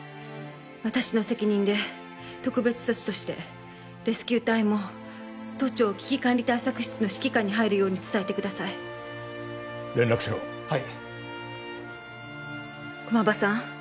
私の責任で特別措置としてレスキュー隊も都庁危機管理対策室の指揮下に入るように伝えてください連絡しろはい駒場さん